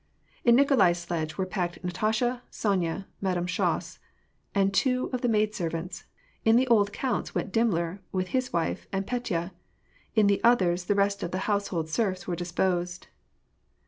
In Nikolai's sledge were packed Natasha, Sonya, Madame Schoss, and two of the maid servants; in the old count's went Dimmler, with his wife and Petya ; in the others, the rest of the household serfs were disposed.